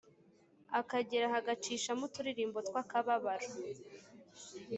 akageraho agacishamo uturirimbo twakababaro